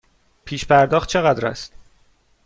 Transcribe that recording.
پیش پرداخت چقدر است؟